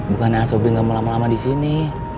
bukannya asobri nggak mau lama lama di sini